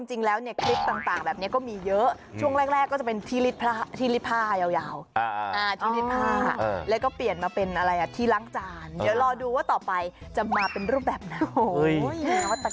หลอกดูว่าต่อไปจะมาเป็นรูปแบบนั้น